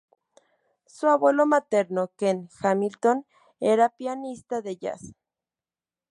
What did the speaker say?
Su abuelo materno, Ken Hamilton, era pianista de jazz.